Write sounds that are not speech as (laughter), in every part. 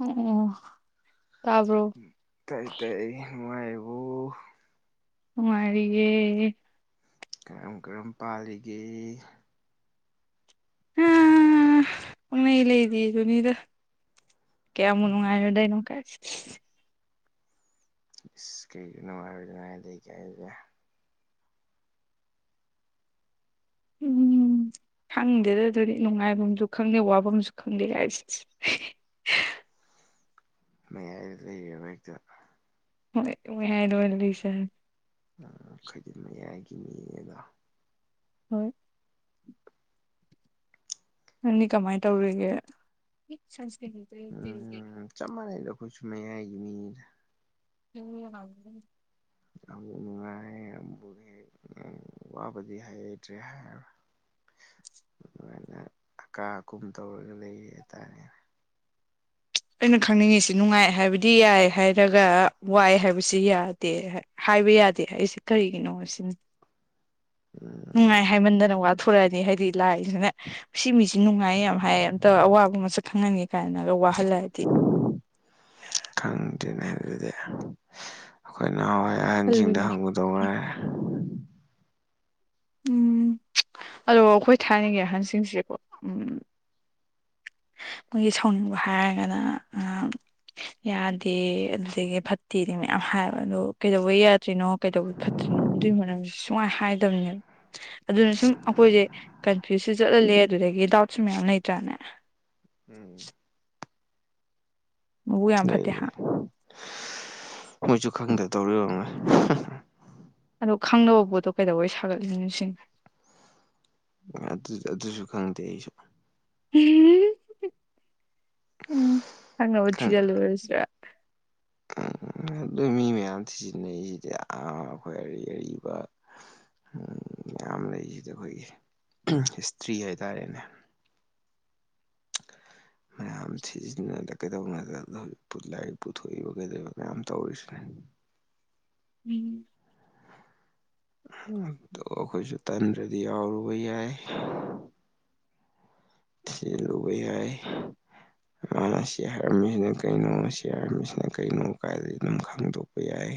ꯑꯣ ꯑꯣ ꯇꯥꯕ꯭ꯔꯣ ꯇꯥꯢ ꯇꯥꯢ ꯅꯨꯉꯥꯢꯔꯤꯕꯨ ꯅꯨꯡꯉꯥꯢꯔꯤꯌꯦ ꯀꯔꯝ ꯀꯔꯝ ꯄꯥꯜꯂꯤꯒꯦ (unintelligible) ꯄꯡꯂꯩ ꯂꯩꯔꯤꯑꯗꯨꯅꯤꯗ ꯀ꯭ꯌꯥꯝꯕꯨ ꯎꯝ ꯅꯨꯡꯉꯥꯏꯔꯨꯗꯣꯢꯅꯣ ꯀꯥꯏ ꯏꯁ ꯀꯩꯒꯤꯅꯅꯨꯡꯉꯥꯏꯔꯗꯉꯥꯏ ꯑꯗꯒꯤ ꯀꯩ ꯍꯥꯏꯒꯦ ꯎꯝ ꯈꯪꯗꯦꯗ ꯑꯗꯨꯗꯤ ꯅꯨꯡꯉꯥꯏꯐꯝꯁꯨ ꯈꯪꯗꯦ ꯋꯥꯕꯗꯝꯁꯨ ꯈꯪꯗꯦ ꯀꯥꯏ ꯁꯤ (unintelligible) ꯃꯌꯥꯢꯗ ꯂꯩꯔꯤꯕ ꯍꯦꯛꯇ ꯍꯣꯏ (unintelligible) ꯍꯥꯏ (unintelligible) ꯑꯈꯣꯢꯗꯤ ꯃꯌꯥꯏꯒꯤ ꯃꯤꯅꯤꯗꯣ ꯍꯣꯏ ꯅꯪꯗꯤ ꯀꯃꯥꯏꯅ ꯇꯧꯔꯤꯒꯦ ꯎꯝ (unintelligible) ꯆꯞ ꯃꯥꯟꯅꯩꯗꯣ ꯑꯩꯈꯣꯏ ꯁꯨꯝ ꯃꯌꯥꯏꯒꯤ ꯃꯤꯅꯤꯗ (unintelligible) ꯑꯃꯨꯛ ꯅꯨꯡꯉꯥꯏ ꯑꯃꯕꯨ ꯍꯦꯛ ꯋꯥꯕꯗꯤ ꯍꯥꯏꯇ꯭ꯔꯦ ꯍꯥꯏ ꯑꯗꯨꯃꯥꯏꯅ ꯑꯀꯥ ꯑꯀꯨꯝ ꯇꯧꯔꯒ ꯂꯩ ꯍꯥꯏꯇꯥꯔꯦ ꯑꯩꯅ ꯈꯪꯅꯤꯡꯉꯤꯁꯤ ꯅꯨꯡꯉꯥꯏ ꯍꯥꯏꯕꯗꯤ ꯌꯥꯏ ꯍꯥꯏꯔꯒ ꯋꯥꯏ ꯍꯥꯏꯕꯁꯤ ꯌꯥꯗꯦ ꯍꯥꯏ ꯍꯥꯏꯕ ꯌꯥꯗꯦ ꯍꯥꯢꯁꯦ ꯀꯔꯤꯒꯤꯅꯣ ꯁꯤꯅꯤ ꯎꯝ ꯅꯨꯡꯉꯥꯏ ꯍꯥꯏꯃꯟꯗꯅ ꯋꯥꯊꯣꯔꯛꯑꯅꯤ ꯍꯥꯏꯗꯤ ꯂꯥꯏꯁꯤꯅꯦ ꯁꯤ ꯃꯤꯁꯤ ꯅꯨꯡꯉꯥꯏꯌꯦ ꯌꯥꯝ ꯍꯥꯏ ꯑꯝꯇ ꯑꯋꯥꯕ ꯃꯁꯛ ꯈꯪꯍꯟꯒꯦ ꯀꯥꯏꯅꯒ ꯋꯥꯍꯜꯂꯛꯑꯗꯤ ꯈꯪꯗꯦꯅꯦ ꯑꯗꯨꯗꯤ ꯑꯩꯈꯣꯏ ꯅꯍꯥꯟꯋꯥꯏ ꯑꯍꯟꯁꯤꯡꯗ ꯈꯜꯂꯨꯅꯤ ꯍꯪꯉꯨꯗꯧ ꯉꯥꯢꯔꯦ ꯎꯝ ꯑꯗꯣ ꯑꯩꯈꯣꯏ ꯊꯥꯏꯅꯒꯤ ꯑꯍꯟꯁꯤꯡꯁꯦꯀꯣ ꯎꯝ ꯑꯩꯈꯣꯏꯒꯤ ꯁꯥꯎꯅꯤꯡꯕ ꯍꯥꯏꯔꯒꯅ ꯌꯥꯗꯦ ꯑꯗꯨꯗꯒꯤ ꯐꯠꯇꯦꯗꯤ ꯃꯌꯥꯝ ꯍꯥꯏꯕ ꯑꯗꯣ ꯀꯩꯗꯧꯕꯩ ꯌꯥꯗ꯭ꯔꯤꯅꯣ ꯀꯩꯗꯧꯕ ꯐꯠꯇ꯭ꯔꯤꯅꯣ ꯑꯗꯨꯏ ꯃꯔꯝ ꯁꯨꯡꯍꯥꯏ ꯍꯥꯏꯗꯝꯅꯦꯕ ꯑꯗꯨꯅ ꯁꯨꯝ ꯑꯩꯈꯣꯏꯁꯦ ꯀꯟꯐ꯭ꯌꯨꯁꯁꯨ ꯆꯠꯍꯜꯂꯦ ꯑꯗꯨꯗꯒꯤ ꯗꯥꯎꯠꯁꯨ ꯃꯌꯥꯝ ꯂꯩꯇ꯭ꯔꯥꯅꯦ ꯎꯝ ꯃꯕꯨꯛ ꯌꯥꯝ ꯂꯩ ꯐꯠꯇꯦ ꯍꯥ ꯂꯩ ꯃꯣꯏꯁꯨ ꯈꯪꯗ ꯇꯧꯔꯤ ꯑꯣꯢꯔꯝꯅꯤ ꯑꯗꯣ ꯈꯪꯗꯕ ꯄꯣꯠꯇꯣ ꯀꯩꯗꯧꯕꯩ ꯁꯥꯒꯠꯂꯤꯅꯣ ꯁꯤꯅꯤ ꯑꯗꯨ ꯑꯗꯨꯖꯨ ꯈꯪꯗꯦ ꯑꯩꯁꯨ ꯎꯝ ꯈꯪꯅꯕ ꯈꯪ ꯊꯤꯖꯜꯂꯨꯔꯥꯁꯤꯔꯥ ꯎꯝ ꯑꯗꯨ ꯃꯤ ꯃꯌꯥꯝ ꯊꯤꯖꯤꯟꯅꯩꯁꯤꯗꯤ ꯑꯥ ꯑꯩꯈꯣꯏ ꯑꯔꯤ ꯑꯔꯤꯕ ꯎꯝ ꯌꯥꯝ ꯂꯩꯔꯤꯗ ꯑꯩꯈꯣꯏꯒꯤ ꯍꯤꯁꯇ꯭ꯔꯤ ꯍꯥꯏꯇꯥꯔꯦꯅꯦ (unintelligible) ꯃꯌꯥꯝ ꯊꯤꯖꯤꯟꯅꯗ ꯀꯩꯗꯧꯅꯥꯗꯣꯏꯅꯣ ꯑꯗꯨꯝ ꯂꯥꯏꯔꯤꯛ ꯄꯨꯊꯣꯛꯏꯕ ꯀꯩꯗꯧ ꯃꯌꯥꯝ ꯇꯧꯔꯤꯁꯤꯅꯦ ꯎꯝ ꯑꯗꯣ ꯑꯩꯈꯣꯏꯁꯨ ꯇꯟꯗ꯭ꯔꯥꯗꯤ ꯌꯥꯎꯔꯨꯕ ꯌꯥꯏ ꯊꯤꯖꯤꯜꯂꯨꯕ ꯌꯥꯏ ꯃꯥꯅ ꯁꯤ ꯍꯥꯏꯔꯝꯃꯤꯁꯤꯅ ꯀꯩꯅꯣ ꯁꯤ ꯍꯥꯏꯔꯝꯃꯤꯁꯤꯅ ꯀꯩꯅꯣ ꯀꯥꯏꯗꯒꯤ ꯑꯗꯨꯝ ꯈꯪꯗꯣꯛꯄ ꯌꯥꯏ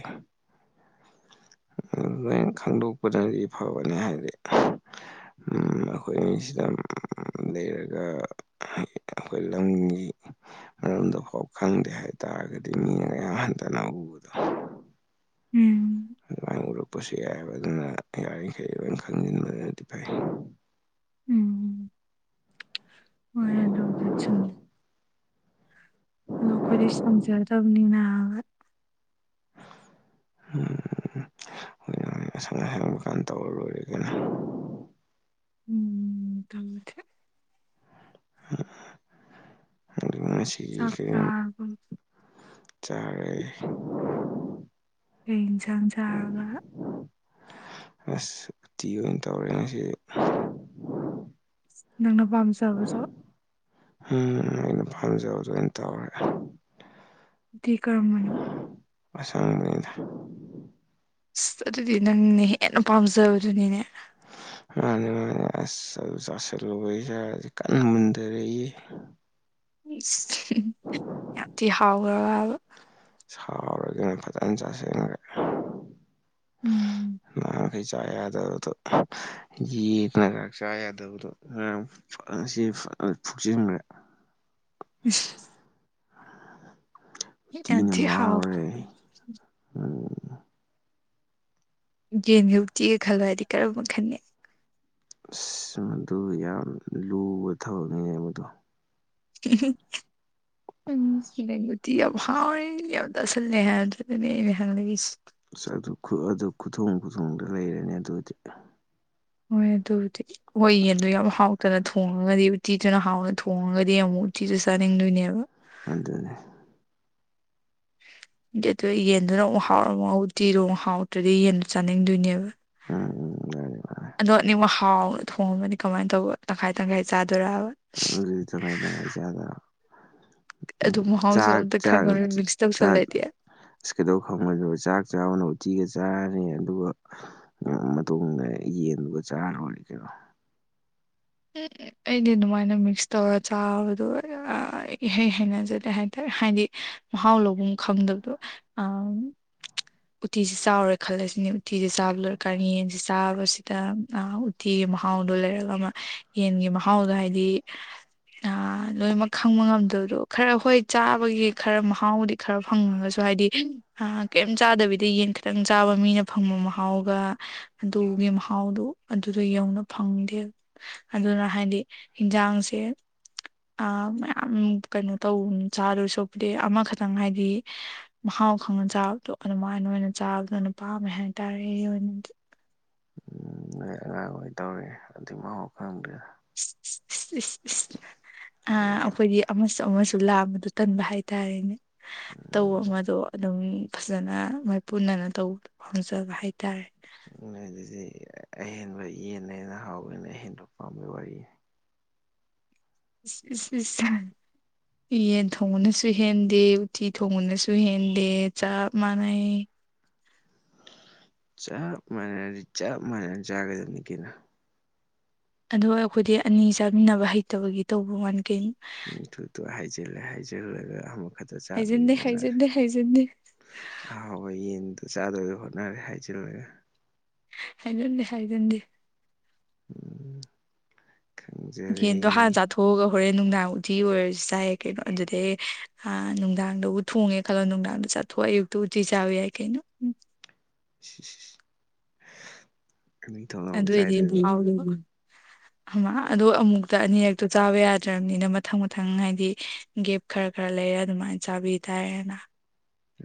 ꯑꯗꯨꯅꯦ ꯂꯣꯏ ꯈꯪꯗꯣꯛꯄꯅꯗꯤ ꯐꯕꯅꯦ ꯍꯥꯏꯗꯤ ꯎꯝ ꯑꯩꯈꯣꯏꯅꯤ ꯁꯤꯗꯥ ꯂꯩꯔꯒ ꯑꯩꯈꯣꯏ ꯂꯝꯒꯤ ꯃꯔꯝꯗꯨꯐꯥꯎ ꯈꯪꯗꯦ ꯍꯥꯏꯇꯥꯔꯒꯗꯤ ꯃꯤ ꯌꯥꯝ ꯍꯟꯊꯥꯅ ꯎꯕꯗꯣ ꯎꯝ ꯑꯗꯨꯃꯥꯏꯅ ꯎꯔꯛꯄꯁꯨ ꯌꯥꯏꯌꯦꯕ ꯑꯗꯨꯅ ꯌꯥꯔꯤꯈꯩ ꯂꯣꯏ ꯈꯪꯖꯤꯟꯕꯅꯗꯤ ꯐꯩ ꯎꯝ ꯍꯣꯏ ꯑꯗꯨꯕꯨꯗꯤ ꯆꯨꯝꯃꯦ ꯑꯗꯣ ꯑꯩꯈꯣꯏꯗꯤ ꯁꯪꯖꯗꯕꯅꯤꯅ ꯍꯝ (unintelligible) ꯇꯧꯔꯂꯣꯏꯔꯦ ꯀꯩꯅꯣ ꯎꯝ (unintelligible) (unintelligible) ꯆꯥꯛ ꯀꯔꯤꯝ ꯆꯥꯔꯕꯣ ꯆꯥꯔꯦ ꯀꯩ ꯏꯟꯖꯥꯡ ꯆꯔꯕꯥ ꯑꯁ ꯎꯇꯤ ꯑꯣꯏ ꯇꯧꯔꯦ ꯉꯁꯤꯗꯤ ꯅꯪꯅ ꯄꯥꯝꯖꯕꯖꯣ ꯎꯝ ꯑꯩꯅ ꯄꯥꯝꯖꯕꯗꯣ ꯑꯣꯏꯅ ꯇꯧꯔꯦ ꯎꯇꯤ ꯀꯔꯝꯕꯅꯣ ꯑꯁꯪꯕꯅꯤꯗ ꯑꯁ ꯑꯗꯨꯗꯤ ꯅꯪꯅ ꯍꯦꯟꯅ ꯄꯥꯝꯖꯕꯗꯨꯅꯤꯅꯦ ꯃꯥꯅꯦ ꯃꯥꯅꯦ ꯑꯁ ꯑꯗꯣ ꯆꯁꯤꯜꯂꯨꯕꯩ ꯏꯁꯥꯁꯦ ꯀꯟꯅ ꯃꯨꯟꯗꯔꯛꯏꯌꯦ ꯏꯁ ꯌꯥꯝ ꯊꯤ ꯍꯥꯎ꯭ꯒꯔꯕꯕ ꯍꯥꯎꯔ‌ꯦ ꯀꯩꯅꯣ ꯐꯖꯅ ꯆꯥꯁꯤꯟꯒ꯭ꯔꯦ ꯎꯝ ꯍꯩ ꯆꯥ ꯌꯥꯗꯕꯗꯣ (unintelligible) ꯐꯥꯅ ꯉꯁꯤꯗꯤ ꯐꯖꯅꯥ ꯐꯨꯆꯤꯟꯈ꯭ꯔꯦ (unintelligible) ꯌꯥꯝ ꯎꯇꯤꯅ ꯊꯤ ꯍꯥꯎ ꯃꯍꯥꯎꯔꯦ ꯎꯝ ꯌꯦꯟꯒꯥ ꯎꯇꯤꯒꯥ ꯈꯜꯂꯣ ꯍꯥꯏꯗꯤ ꯀꯔꯝꯕ ꯈꯟꯅꯤ ꯑꯁ ꯃꯗꯨ ꯌꯥꯝ ꯂꯨꯕ ꯊꯕꯛꯅꯦ ꯃꯗꯨ (unintelligible) (unintelligible) ꯎꯇꯤ ꯌꯥꯝ ꯍꯥꯎꯔꯦ ꯌꯥꯝ ꯆꯥꯁꯤꯟꯂꯦ ꯍꯥꯏꯕꯗꯨꯗꯅꯤ ꯑꯩꯅ ꯍꯪꯂꯛꯏꯁꯦ ꯑꯁ ꯑꯗꯨ ꯑꯗꯨ ꯈꯨꯊꯣꯡ ꯈꯨꯊꯣꯡꯗ ꯂꯩꯔꯦꯅꯦ ꯑꯗꯨꯗꯤ ꯍꯣꯏ ꯑꯗꯨꯕꯨꯗꯤ ꯃꯣꯏ ꯌꯦꯟꯗꯣ ꯌꯥꯝ ꯍꯥꯎꯇꯅ ꯊꯣꯡꯉꯒꯗꯤ ꯎꯇꯤꯗꯨꯅ ꯍꯥꯎꯅ ꯊꯣꯡꯉꯒꯗꯤ ꯑꯃꯨꯛ ꯎꯇꯤꯗꯨ ꯆꯥꯅꯤꯡꯗꯣꯏꯅꯦꯕ ꯑꯗꯨꯅꯦ ꯑꯗ‌ꯣ ꯌꯦꯟꯗꯨꯅ ꯑꯃꯨꯛ ꯍꯥꯎꯅ ꯉꯧꯔꯥ ꯎꯇꯤꯗꯣ ꯑꯃꯨꯛ ꯍꯥꯎꯇ꯭ꯔꯥꯗꯤ ꯌꯦꯟꯗꯣ ꯆꯥꯅꯤꯡꯗꯣꯏꯅꯦꯕ ꯎꯝ ꯎꯝ ꯑꯗꯣ ꯅꯦꯠꯋꯥꯛ ꯍꯥꯎꯅ ꯊꯣꯡꯉꯥꯃꯒꯗꯤ ꯀꯃꯥꯏꯟ ꯇꯧꯕ ꯇꯪꯈꯥꯏ ꯇꯪꯈꯥꯏ ꯆꯥꯗꯣꯏꯔꯕ ꯑ ꯑꯗꯨꯗꯤ ꯇꯪꯈꯥꯏ ꯇꯪꯈꯥꯏ ꯆꯥꯇꯕ (unintelligible) ꯑꯗꯨ ꯃꯍꯥꯎꯁꯨ ꯆꯥꯛ ꯑꯝꯇ ꯆꯔ ꯈꯪꯉꯔꯣꯏ ꯆꯥꯛ ꯃꯤꯛꯁ ꯆꯥꯛ ꯇꯧꯁꯜꯂꯗꯤ ꯀꯩꯗꯧ ꯈꯪꯉ‌ꯣꯏꯗꯩꯕ ꯆꯥꯛ ꯆꯥꯕꯅ ꯎꯇꯤꯒ ꯆꯥꯔꯅꯤ ꯑꯗꯨꯒ ꯑꯥ ꯃꯇꯨꯡꯗ ꯌꯦꯟꯗꯨ ꯆꯥꯔ ꯂ‌ꯣꯏꯔ‌ꯦ ꯀꯩꯅꯣ ꯑꯦ ꯑꯩꯗꯤ ꯑꯗꯨꯃꯥꯏꯅ ꯃꯤꯛꯁ ꯇꯧꯔ ꯆꯥꯕꯗꯣ ꯏꯍꯩ ꯍꯩꯅꯖꯗꯦ ꯍꯥꯏꯇꯥꯏ ꯍꯥꯏꯗꯤ ꯃꯍꯥꯎ ꯂꯧꯐꯝ ꯈꯪꯗꯕꯗꯣ ꯑ ꯎꯇꯤꯁꯦ ꯆꯥꯎꯔꯦ ꯈꯜꯂꯁꯤꯅꯤ ꯎꯇꯤꯁꯦ ꯆꯥꯕ ꯂꯣꯏꯔꯀꯥꯟ ꯌꯦꯟꯁꯦ ꯆꯥꯕꯁꯤꯗ ꯑ ꯎꯇꯤꯒꯤ ꯃꯍꯥꯎꯗꯣ ꯂꯩꯔꯒ ꯑꯃ ꯌꯦꯟꯒꯤ ꯃꯍꯥꯎꯗꯣ ꯍꯥꯏꯗꯤ ꯑ ꯂꯣꯏꯅꯃꯛ ꯈꯪꯕ ꯉꯝꯗꯕꯗꯣ ꯈꯔ ꯍꯣꯏ ꯆꯥꯕꯒꯤ ꯈꯔ ꯃꯍꯥꯎꯗꯤ ꯈꯔ ꯐꯪꯉꯒꯁꯨ ꯍꯥꯏꯗꯤ ꯀꯩꯝ ꯆꯥꯗꯕꯤꯗ ꯌꯦꯟ ꯈꯤꯇꯪ ꯆꯥꯕ ꯃꯤꯅ ꯐꯪꯕ ꯃꯍꯥꯎꯒ ꯑꯗꯨꯒꯤ ꯃꯍꯥꯎꯗꯨ ꯑꯗꯨꯗꯣ ꯌꯧꯅ ꯐꯪꯗꯦ ꯑꯗꯨꯅ ꯍꯥꯏꯗꯤ ꯌꯦꯟꯖꯥꯡꯁꯦ ꯑ ꯃꯌꯥꯝ ꯀꯩꯅꯣ ꯇꯧ ꯆꯥꯗꯣꯏ ꯁꯔꯨꯛꯄꯨꯗꯤ ꯑꯃꯈꯛꯇꯪ ꯍꯥꯏꯗꯤ ꯃꯍꯥꯎ ꯈꯪꯅ ꯆꯥꯕꯗꯣ ꯑꯗꯨꯃꯥꯏꯅ ꯑꯣꯏꯅ ꯆꯥꯕꯗꯨꯅ ꯄꯥꯝꯃꯦ ꯍꯥꯏꯇꯥꯔꯦ ꯑꯩꯒꯤ ꯑꯣꯏꯅꯗꯤ ꯎ ꯅꯣꯏ ꯑꯉꯥꯡ ꯑꯣꯏ ꯇꯧꯔꯤ ꯑꯗꯨꯏ ꯃꯍꯥꯎ ꯈꯪꯗꯦꯗ (unintelligible) ꯏꯁ ꯑ ꯍꯌꯦꯡꯈꯛ ꯑꯩꯈꯣꯏꯗꯤ ꯑꯃꯁꯨ ꯑꯃꯁꯨ ꯂꯥꯝꯕꯗꯣ ꯇꯟꯕ ꯍꯥꯏꯇꯥꯔꯦꯅꯦ ꯑꯇꯧꯕ ꯎꯝ ꯑꯃꯗꯣ ꯑꯗꯨꯝ ꯐꯖꯅ ꯃꯥꯏꯄꯨꯅꯅ ꯇꯧꯕ ꯄꯥꯝꯖꯕ ꯍꯥꯏꯇꯥꯔꯦ ꯅꯣꯏꯑꯗꯨꯗꯤ ꯑꯍꯦꯟꯕ ꯌꯦꯟꯅ ꯍꯥꯎꯋꯦꯅ ꯍꯦꯟꯕ ꯄꯥꯝꯕꯩ ꯋꯥꯔꯤꯅꯤ ꯏꯁ ꯏꯁ ꯌꯦꯟ ꯊꯣꯡꯕꯅꯁꯨ ꯍꯦꯟꯗꯦ ꯎꯠꯇꯤ ꯊꯣꯡꯕꯅꯁꯨ ꯍꯦꯟꯗꯦ ꯆꯞ ꯃꯥꯟꯅꯩ ꯆꯞ ꯃꯥꯟꯅꯔꯗꯤ ꯆꯞ ꯃꯥꯟꯅꯅ ꯆꯥꯒꯗꯕꯅꯤ ꯀꯩꯅꯣ ꯑꯗꯣ ꯑꯩꯈꯣꯏꯗꯤ ꯑꯅꯤ ꯆꯥꯃꯤꯟꯅꯕ ꯍꯩꯇꯕꯒꯤ ꯇꯧꯕ ꯋꯥꯅꯤ ꯀꯩꯅꯣ ꯎ ꯇꯨꯇꯨ ꯍꯥꯏꯖꯦꯜꯂꯦ ꯍꯥꯏꯖꯦꯜꯂꯒ ꯍꯥꯏꯖꯤꯟꯗꯦ ꯍꯥꯏꯖꯤꯟꯗꯦ ꯍꯥꯏꯖꯟꯗꯦ ꯑꯍꯥꯎꯕ ꯌꯦꯟꯗ ꯆꯥꯗꯣꯏꯗ ꯍꯣꯠꯅꯔꯦ ꯍꯥꯏꯖꯤꯜꯂꯒ ꯍꯥꯏꯖꯟꯗꯦ ꯍꯥꯏꯖꯟꯗꯦ ꯎꯝ ꯈꯪꯖꯔꯦ ꯌꯦꯟꯗꯣ ꯍꯥꯟꯅ ꯆꯥꯊꯣꯛꯑꯒ ꯍꯣꯔꯦꯟ ꯅꯨꯡꯗꯥꯡ ꯎꯇꯤ ꯑꯣꯏꯔꯁꯨ ꯆꯌꯥꯏ ꯀꯩꯅꯣ ꯑꯗꯨꯗꯩ ꯍꯥ ꯅꯨꯡꯗꯥꯡꯗꯕꯨ ꯊꯣꯡꯉꯦ ꯈꯜꯂꯣ ꯅꯨꯡꯗꯥꯡꯗꯣ ꯆꯥꯊꯣꯛꯑ ꯑꯌꯨꯛꯇ ꯎꯇꯤ ꯆꯥꯕ ꯌꯥꯏ ꯀꯩꯅꯣ ꯑꯅꯤ ꯊꯣꯛꯉꯥ ꯑꯃꯨꯛ ꯆꯥꯏꯗꯣꯏꯕ ꯎꯝ (inaudible) ꯑꯗꯣ ꯑꯃꯨꯛꯇ ꯑꯅꯤꯔꯛꯇꯣ ꯆꯥꯕ ꯌꯥꯗ꯭ꯔꯕꯅꯤꯅ ꯃꯊꯪ ꯃꯊꯪ ꯍꯥꯏꯗꯤ ꯒꯦꯞ ꯈꯔ ꯈꯔ ꯂꯩꯔ ꯑꯗꯨꯃꯥꯏ ꯆꯥꯕꯤ ꯇꯥꯔꯦꯅ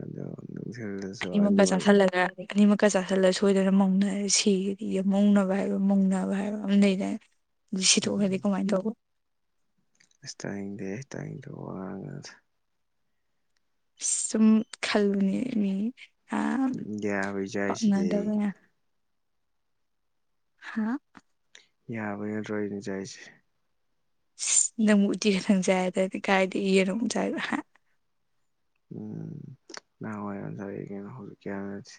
ꯑꯗꯣ ꯅꯨꯡꯊꯤꯜ ꯗ ꯑꯅꯤꯃꯛꯀ ꯆꯥꯁꯤꯜꯂꯒ ꯑꯅꯤꯃꯛꯀ ꯆꯥꯥꯁꯜꯂ ꯁꯣꯏꯗꯅ ꯃꯧꯅꯔꯦ ꯁꯤꯒꯗꯤ ꯌꯦꯃꯧꯅꯕ ꯍꯥꯏꯕ ꯃꯧꯅꯕ ꯍꯥꯏꯕ ꯑꯃ ꯂꯩꯗꯥꯏꯅꯦ ꯁꯤꯗꯣꯛꯈꯔꯥꯗꯤ ꯎꯝ ꯀꯃꯥꯏ ꯗꯧꯕ ꯑꯁ ꯇꯥꯡꯅꯤꯡꯗꯦꯍꯦ ꯇꯥꯅꯤꯡꯗꯕ ꯋꯥ ꯉꯥꯡꯅꯨꯗ ꯑ ꯁꯨꯝ ꯈꯜꯂꯨꯅꯦ ꯃꯤ ꯑꯥ ꯌꯥꯕꯩ ꯆꯥꯏꯁꯤꯗꯤ ꯄꯛꯅꯗꯕ ꯑꯩ ꯍꯥ ꯌꯥꯕꯩ ꯅꯠꯇ꯭ꯔꯣ ꯑꯩꯅ ꯆꯥꯏꯁꯦ ꯏꯁ ꯅꯪꯕꯨ ꯎꯇꯤ ꯑꯁꯪ ꯆꯥꯏꯗꯥꯏꯅꯦ ꯀꯥꯏꯗꯒꯤ ꯌꯦꯟ ꯑꯃꯨꯛ ꯆꯥꯏꯕ ꯍꯥ ꯎꯝ ꯅꯍꯥꯟ ꯋꯥꯏ ꯌꯥꯝ ꯆꯥꯔꯛ ꯏ ꯀꯩꯅꯣ ꯍꯧꯖꯤꯛ ꯀꯤ ꯍꯥꯏꯕ ꯅꯠꯇꯦ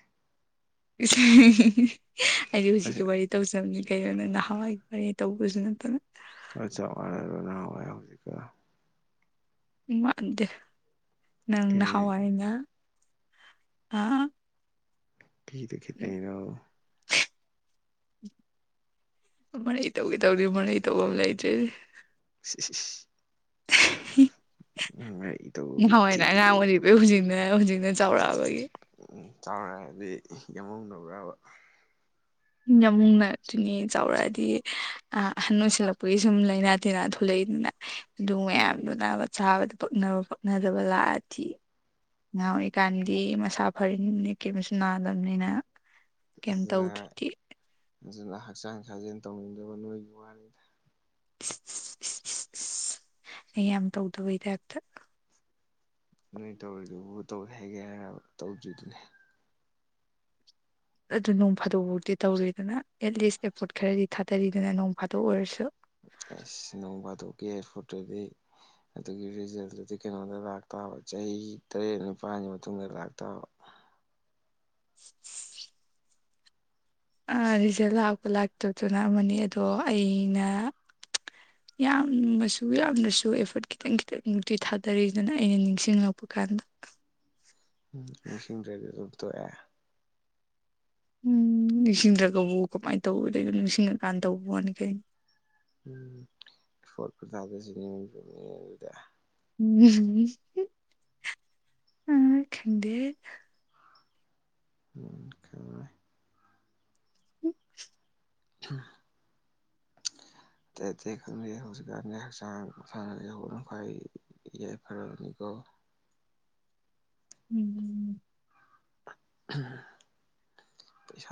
ꯑꯩꯗꯤ ꯍꯧꯖꯤꯛ ꯑꯁ ꯀꯤ ꯋꯥꯔꯤ ꯇꯧꯖꯕꯅꯤ ꯀꯩꯅꯣ ꯅꯣꯏ ꯍꯥꯟꯋꯥꯏ ꯋꯥꯔꯤ ꯇꯧꯕꯁꯨ ꯅꯠꯇꯅ ꯑ ꯆꯞ ꯃꯥꯟꯅꯗ꯭ꯔꯣ ꯅꯍꯥꯟꯋꯥꯏꯒ ꯍꯧꯖꯤꯛꯀ ꯃꯥꯟꯗꯦ ꯅꯪ ꯅꯍꯋꯥꯏꯅ ꯑ (unintelligible) ꯃꫪꯩ ꯇꯧꯒꯦ ꯇꯧꯅꯤ ꯃꫪꯧ ꯇꯧꯕꯝ ꯂꯩꯇꯦꯅꯦ ꯏꯁ ꯏꯁ ꯏꯁ ꯃꯔꯩ ꯇꯧꯕꯝ ꯊꯤ ꯑꯩ ꯍꯧꯖꯤꯛꯅ ꯍꯧꯖꯤꯛꯅ ꯆꯥꯎꯔꯛꯑꯕꯒꯤ ꯎꯝ ꯆꯥꯎꯔꯦ ꯍꯥꯏꯗꯤ ꯌꯦꯍꯧꯗꯕ꯭ꯔꯕ ꯌꯥꯝꯃꯨ ꯅꯛꯇꯅꯤ ꯆꯥꯎꯔꯛꯑꯗꯤ ꯑ ꯑꯍꯟ ꯑꯣꯏꯁꯤꯜꯂꯛꯄꯒꯤ ꯁꯨꯝ ꯂꯩꯥꯏꯅꯥ ꯇꯤꯟꯅꯥ ꯊꯣꯛꯂꯛꯏꯅꯤꯅ ꯑꯗꯨ ꯃꯌꯥꯝꯗꯨꯅ ꯆꯥꯕꯗ ꯄꯛꯅꯕ ꯄꯛꯅꯗꯕ ꯂꯥꯛꯑꯗꯤ ꯉꯍꯥꯎꯔꯤꯀꯥꯟꯗꯤ ꯃꯁꯥ ꯐꯔꯤꯅꯦ ꯀꯦꯝ ꯃꯁꯨ ꯅꯥꯗꯕꯅꯤꯅ ꯀꯩꯝ ꯑꯗꯨꯅ ꯇꯧꯗ꯭ꯔꯗꯤ ꯑꯗꯨꯅ ꯍꯛꯆꯥꯡ ꯁꯥꯖꯦꯜ ꯇꯧꯅꯤꯡꯗꯕ ꯅꯣꯏꯒꯤ ꯋꯥꯔꯤꯗ ꯑꯩ ꯌꯥꯝ ꯇꯧꯗꯕꯩꯗ ꯍꯦꯥꯛꯛꯇ ꯅꯣꯏ ꯇꯧꯔꯤꯗꯨꯕꯨ ꯇꯧꯋꯦ ꯍꯥꯏꯒꯦ ꯍꯥꯏ ꯇꯧꯗꯣꯏꯔꯤꯗꯨꯅꯦ ꯑꯗꯨ ꯅꯣꯡ ꯐꯥꯗꯣꯛꯐꯥꯎꯗꯤ ꯇꯧꯔꯤꯗꯅ ꯑꯦꯠꯂꯤꯁ ꯑꯦꯄꯣꯔꯠ ꯈꯔꯗꯤ ꯊꯥꯗꯔꯤꯗꯅ ꯅꯣꯡ ꯐꯥꯗꯣꯛꯎꯔꯁꯨ ꯑꯁ ꯅꯣꯡ ꯐꯥꯗꯣꯛꯀꯤꯦ ꯑꯦꯌꯥꯔꯄꯣꯔꯠꯇꯗꯤ ꯑꯗꯨꯒꯤ ꯔꯤꯖꯜꯗꯨꯨꯗꯤ ꯀꯩꯅꯣꯗ ꯂꯥꯛꯇꯥꯕ ꯆꯍꯤ ꯇꯔꯦꯠ ꯅꯤꯄꯥꯜꯒꯤ ꯃꯇꯨꯡꯗ ꯂꯥꯛꯇꯥꯕ (inaudible) ꯔꯤꯖꯜ ꯂꯥꯛꯄ ꯂꯥꯛꯇꯗꯨꯅ ꯑꯃꯅꯤ ꯑꯗꯣ ꯑꯩꯅ (inaudible) ꯌꯥꯝꯃꯁꯨ ꯌꯥꯝꯅꯁꯨ ꯑꯦꯐꯔꯠ ꯈꯤꯇꯪ ꯈꯤꯇꯪ ꯅꯨꯡꯇꯤ ꯊꯥꯗꯔꯤꯗꯅ ꯑꯩꯅ ꯅꯤꯡꯁꯤꯡꯂꯛꯄ ꯀꯥꯟꯗ ꯎꯝ ꯅꯤꯡꯁꯤꯡꯗ꯭ꯔꯗꯤ ꯑꯗꯨꯝꯊꯣꯛꯑꯦ ꯎꯝ ꯅꯤꯡꯁꯤꯡꯗ꯭ꯔꯒꯕꯨ ꯀꯃꯥꯏꯅ ꯇꯧꯕꯗ ꯑꯗꯨ ꯅꯤꯡꯁꯤꯡꯉꯀꯥꯟꯗ ꯇꯧꯕꯅꯤ ꯀꯩꯅ ꯎꯝ ꯐꯣꯔ ꯈꯨꯊꯥꯗꯁꯨꯕꯅꯤ ꯑꯗꯨꯗ ꯎꯝ ꯑ ꯀꯟꯗ ꯎꯝ ꯈꯪꯉꯣꯏ (unintelligible) ꯈꯪꯦ ꯍꯧꯖꯤꯀꯥꯟ ꯍꯛꯆꯥꯡꯅꯈ ꯌꯥꯏꯐꯔꯅꯤꯀꯣ ꯎꯝ ꯎꯝꯝ ꯎꯝ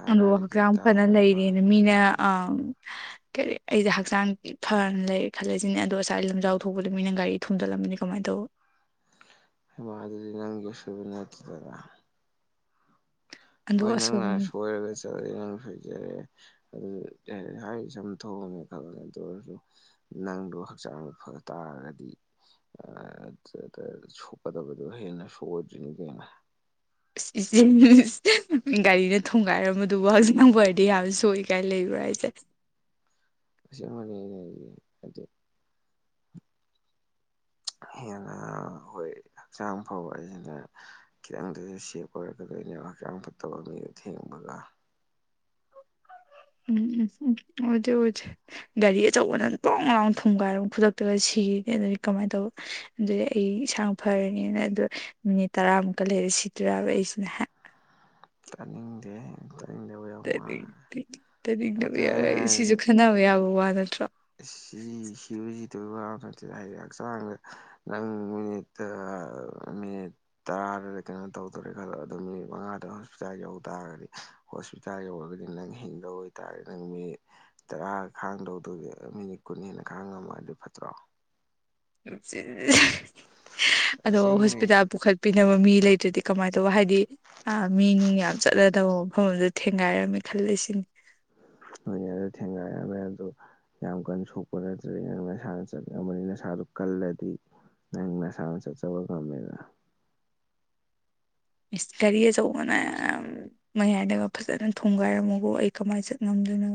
ꯑꯗꯣ ꯍꯛꯆꯥꯡ ꯌꯥꯝ ꯐꯅ ꯂꯩꯔꯦꯅ ꯃꯤꯅ ꯑ ꯀꯔꯤ ꯑꯩꯁꯦ ꯍꯛꯆꯥꯡ ꯐꯅ ꯂꯩ ꯈꯜꯂꯦ ꯁꯤꯅꯦ ꯑꯗꯣ ꯉꯁꯥꯏ ꯂꯝꯖꯥꯎ ꯊ ꯊꯣꯛꯄꯗ ꯃꯤꯅ ꯒꯥꯔꯤ ꯊꯣꯡꯖꯤꯜꯂꯝꯕꯅꯤ ꯀꯃꯥꯏꯅ ꯇꯧꯕ ꯏ ꯑꯗꯨꯗꯤ ꯅꯪꯒꯤꯁꯨꯨꯕꯅꯗꯗ ꯑꯗꯣ ꯍꯣꯏ ꯅꯪꯅ ꯑꯁꯣꯏꯕꯅꯤ ꯁꯣꯏꯔꯒꯁꯤ ꯦ ꯁꯣꯏꯖꯔꯦ ꯑꯗꯨ ꯍꯥꯏ ꯁꯝ ꯊꯣꯛꯣꯡꯑꯃꯦ ꯈꯜꯂ ꯑꯗꯨ ꯑꯣꯏꯔꯁꯨ ꯅꯪꯗꯣ ꯍꯛꯆꯥꯡꯗ ꯐ ꯇꯥꯔꯒꯗꯤ ꯑ ꯁꯄꯗꯕꯗ ꯍꯅ ꯁꯗꯔꯤꯅꯤ ꯀꯅ ꯑ ꯏꯆꯦ ꯒꯥꯔꯤꯅ ꯊꯣꯡꯒꯥꯏꯔꯝꯕꯗꯨꯕꯨ ꯍꯛꯖꯤ ꯅꯪꯕꯔꯗꯤ ꯌꯥꯝ ꯁꯣꯛꯏ ꯀꯥꯏꯅ ꯂꯩꯕ꯭ꯔꯥ ꯑꯩꯁꯦ ꯑꯁꯤꯕꯅꯦ ꯑꯩꯅ ꯑꯩꯌꯦ ꯑꯗꯨ ꯍꯦꯟꯅ ꯑꯩꯈꯣꯏ ꯍꯛꯆꯥꯡ ꯐ ꯑꯁꯤꯅ ꯈꯤꯇꯪꯗꯁꯨ ꯁꯦꯞ ꯑꯣꯏꯔꯛꯀꯗꯣꯏꯅꯦꯕ ꯍꯛꯆꯥꯡ ꯐꯠꯇꯕ ꯃꯤꯗꯣ ꯊꯦꯡꯕꯒ ꯎꯝ ꯎꯝ ꯎꯝ ꯑꯣꯖꯖ ꯒꯥꯔꯤ ꯑꯆꯧꯕꯅ ꯂꯣꯡ ꯂꯔꯥꯎ ꯊꯨꯝꯒꯥꯏꯔ ꯈꯨꯗꯛꯇꯒ ꯁꯤꯅꯤ ꯑꯗꯨꯗꯒꯤ ꯀꯃꯥꯏꯅ ꯇꯧꯕ ꯑꯗꯨꯗꯤ ꯑꯩ ꯏꯁꯟꯥꯡ ꯐꯔꯅꯤꯅ ꯑꯗꯨꯗꯣ ꯃꯤꯅꯤꯠ ꯇꯔꯥꯃꯨꯛꯀ ꯂꯩꯔ ꯁꯤꯠꯇ꯭ꯔꯕ ꯑꯩꯁꯤꯅ ꯍꯥꯏ ꯆꯥꯅꯤꯡꯗꯦ ꯇ ꯇꯅꯤꯡꯦꯡ ꯑꯗ ꯌꯥꯔꯒ ꯑꯩꯅ ꯑꯩ ꯍꯥꯏꯗꯤ ꯁꯤꯁꯨ ꯈꯟꯅꯕ ꯌꯥꯕ ꯋꯥ ꯅꯠꯇ꯭ꯔꯣ ꯁꯤ ꯁꯤ ꯍꯧꯖꯤ ꯇꯣꯏ ꯅꯠꯇꯦ ꯍꯥꯏꯔꯦ ꯍꯛꯆꯥꯡꯗ ꯅꯪ ꯃꯤꯅꯤꯠ ꯃꯤꯅꯤ ꯇꯔꯥꯗꯗꯤ ꯀꯩꯅꯣ ꯇꯧꯗꯔꯦ ꯈꯂꯣ ꯑꯗꯨ ꯃꯤꯠ ꯃꯉꯥꯗ ꯍꯣꯁꯄꯤꯇꯥꯜ ꯌꯧ ꯇꯥꯔꯒꯗꯤ ꯍꯣꯁꯄꯤꯇꯥꯜ ꯌꯧꯔꯒꯗꯤ ꯅꯪ ꯍꯤꯡꯗꯧ ꯑꯣꯏꯇꯥꯔꯦꯗꯤ ꯅꯪ ꯃꯤ ꯇꯔꯥ ꯈꯥꯡꯗꯧꯗꯣꯏꯒꯦ ꯃꯤꯅꯤꯠ ꯀꯨꯟ ꯍꯦꯟꯅ ꯈꯥꯡꯉꯝꯃꯣꯏ ꯑꯗꯨ ꯐꯠꯇ꯭ꯔꯣ꯫ ꯑꯗꯣ ꯑꯁꯦꯡꯕꯅꯦ ꯍꯣꯁꯄꯤꯇꯥꯜ ꯄꯨꯈꯠ ꯄꯤꯅꯕ ꯃꯤ ꯂꯩꯇ꯭ꯔꯗꯤ ꯀꯃꯥꯏꯅ ꯇꯧꯕ ꯍꯥꯏꯗꯤ ꯑ ꯃꯤ ꯅꯨꯡ ꯌꯥꯝ ꯆꯠꯂꯗꯕ ꯃꯐꯝ ꯑꯗ ꯊꯦꯡꯒꯥꯏꯔꯝꯃꯦ ꯈꯜꯂ ꯁꯤꯅꯤ (unintelligible) ꯊꯦꯡꯒꯥꯏꯔꯝꯃꯦ ꯑꯗ ꯌꯥꯝ ꯀꯟꯅ ꯁꯣꯛꯄ ꯅꯠꯇ꯭ꯔꯦ ꯅꯁꯥꯅ ꯆꯠꯅꯤꯡꯉꯕꯅꯤ ꯅꯁꯥꯗꯨ ꯀꯜꯂꯗꯤ ꯅꯪ ꯅꯁꯥꯅ ꯆꯠꯆꯕ ꯉꯝꯃꯦꯅ ꯏꯁ ꯒꯔꯤ ꯑꯁꯧꯕꯅ ꯎꯝ ꯃꯌꯥꯏꯗꯒ ꯐꯖꯅ ꯊꯨꯝꯒꯥꯏꯔꯝꯃꯒꯣ ꯑꯩ ꯀꯃꯥꯏꯅ ꯆꯠ ꯉꯝꯗꯣꯏꯅꯣ꯫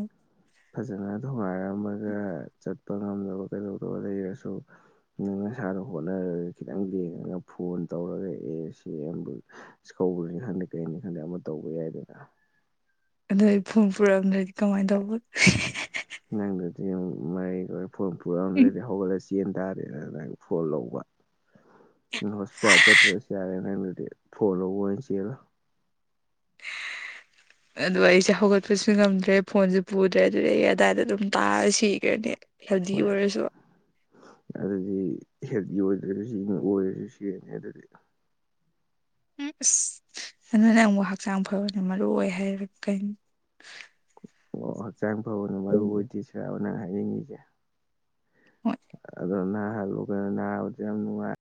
ꯐꯖꯅ ꯊꯣꯒꯥꯏꯔꯝꯃꯒ ꯆꯠꯄ ꯉꯝꯗꯕ ꯀꯩꯗꯧꯗꯕ ꯂꯩꯔꯁꯨ ꯅꯪ ꯅꯁꯥꯗ ꯍꯣꯠꯅꯔꯒ ꯈꯤꯇꯪ ꯌꯦꯡꯉꯒ ꯐꯣꯟ ꯇꯧꯔꯒ ꯑꯦ ꯁꯤꯕꯨ ꯁꯧꯕꯅꯤ ꯈꯪꯗꯦ ꯀꯩꯅꯅꯤ ꯈꯪꯗꯦ ꯑꯃ ꯇꯧꯕ ꯌꯥꯏꯗꯅ꯫ ꯑꯗꯩ ꯐꯨꯝ ꯄꯨꯔꯛꯑꯝꯗꯗꯤ ꯀꯃꯥꯏꯅ ꯇꯧꯕ꯫ ꯅꯪꯗꯗꯤ ꯃꯥꯒꯤ ꯐꯣꯟ ꯄꯨꯔꯛꯑꯗꯦꯗꯤ ꯍꯧꯒꯠꯂꯁꯤ ꯆꯦꯟ ꯇꯥꯔꯦꯅ ꯑꯗꯨꯅ ꯐꯣꯟ ꯂꯧꯕ ꯑꯗꯨ ꯍꯣꯁꯄꯤꯇꯥꯜ ꯆꯠꯇ꯭ꯔꯁꯨ ꯌꯥꯔꯦ ꯅꯪꯗꯨꯗꯤ ꯐꯣꯟ ꯂꯧꯕ ꯑꯣꯏꯅ ꯆꯦꯜꯂꯣ꯫ ꯑꯗꯨꯗ ꯑꯩꯁꯦ ꯍꯧꯒꯠꯄꯁꯨ ꯉꯝꯗ꯭ꯔꯦ ꯐꯣꯟꯁꯨ ꯄꯨꯗ꯭ꯔꯦ ꯑꯗꯨꯗꯤ ꯑꯩ ꯑꯗꯥꯏꯗ ꯑꯗꯨꯝ ꯇꯥꯔ ꯁꯤꯈ꯭ꯔꯅꯤ ꯍꯦꯜꯗꯤ ꯑꯣꯏꯔꯁꯨ꯫ ꯑꯗꯨꯗꯤ ꯍꯦꯜꯗꯤ ꯑꯣꯏꯗ꯭ꯔꯁꯨ ꯁꯤ ꯑꯣꯏꯔꯁꯨ ꯁꯤꯅꯤ ꯑꯗꯨꯗꯤ꯫ ꯎꯝ ꯑꯁ ꯑꯗꯨꯅ ꯑꯃꯨꯛ ꯍꯛꯆꯥꯡ ꯐꯕꯅ ꯃꯔꯨ ꯑꯣꯏ ꯍꯥꯏꯔ ꯀꯩ ꯑꯣ ꯍꯛꯆꯥꯡ ꯐꯕꯅ ꯃꯔꯨ ꯑꯣꯏꯗ꯭ꯦꯁꯦ ꯅꯪꯅ ꯍꯥꯏꯅꯤꯡꯉꯤꯁꯦ ꯑꯗꯣ ꯅꯍꯜꯂꯣ ꯅꯍꯕꯁꯦ ꯌꯥꯝ ꯅꯨꯡꯉꯥꯏ